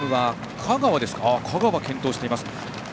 香川が健闘しています。